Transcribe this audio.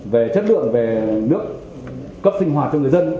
về chất lượng về nước cấp sinh hoạt cho người dân